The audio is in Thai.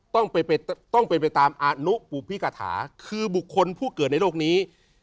ต้องเป็นไปตามอนุปุพิกาถาคือบุคคลผู้เกิดในโลกนี้